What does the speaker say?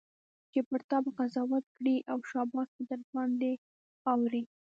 چي پر تا به قضاوت کړي او شاباس درباندي اوري